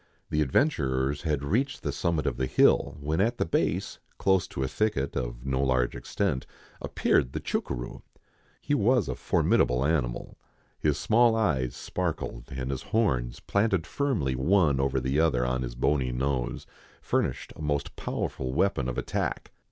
The adventurers had reached the summit of the hill, when at the base, close to a thicket, of no large extent, appeared the chucuroo. He was a formidable animal ; his small eyes sparkled, and his horns, planted firmly one over the other on his bony nose, furnished a most powerful weapon of attack.